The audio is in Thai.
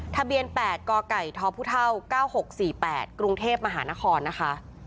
ทะเบียน๘ก่อก่ายท้อผู้เท่า๙๖๔๘กรุงเทพฯมหานครนะคะ